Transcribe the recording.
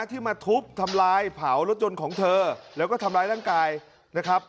ที่มาทุบทำลายเผารถยนต์ของเธอแล้วก็ทำร้ายร่างกายนะครับ